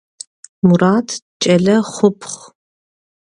Мурат кӏэлэ хъупхъ.